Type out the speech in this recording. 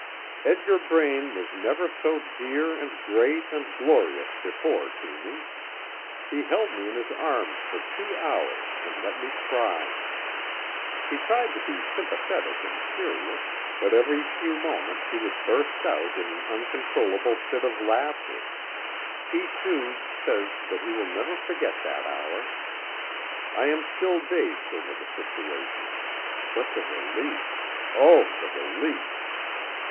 Edgar Braine was never so dear and great and glorious before to me. He held me in his arms for two hours and let me cry. He tried to be sympathetic and serious, but every few moments he would burst out in an uncontrollable fit of laughter. He, too, says that he will never forget that hour. I am still dazed over the situation. But the relief! Oh, the relief!